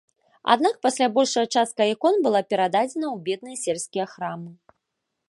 Аднак, пасля, большая частка ікон была перададзена ў бедныя сельскія храмы.